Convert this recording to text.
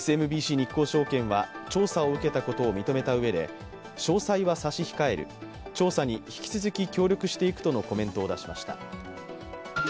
日興證券は、調査を受けたことを認めたうえで詳細は差し控える調査に引き続き協力していくとのコメントを出しました。